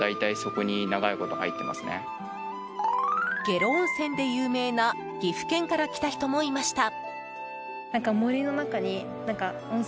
下呂温泉で有名な岐阜県から来た人もいました。